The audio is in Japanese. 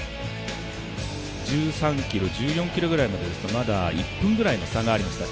１３ｋｍ、１４ｋｍぐらいまで１分ぐらいの差がありました。